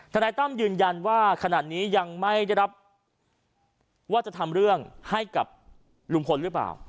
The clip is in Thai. นายตั้มยืนยันว่าขนาดนี้ยังไม่ได้รับว่าจะทำเรื่องให้กับลุงพลหรือเปล่า